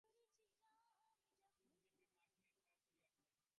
ক্রোশব্যাপী মাঠ নিঃসাড়ে পড়িয়া আছে!